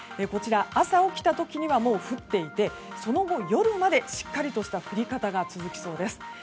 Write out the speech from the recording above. こちら、朝起きた時にはもう降っていて、その後夜までしっかりとした降り方が続きそうです。